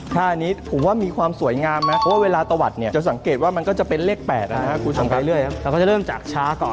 คุณผู้ชมครับเริ่มไปเรื่อยครับเราก็จะเริ่มจากช้าก่อน